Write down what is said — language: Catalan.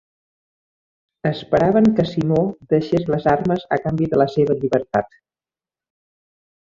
Esperaven que Simó deixés les armes a canvi de la seva llibertat.